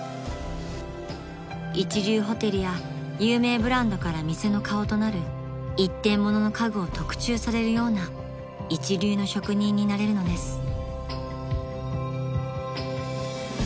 ［一流ホテルや有名ブランドから店の顔となる一点物の家具を特注されるような一流の職人になれるのです］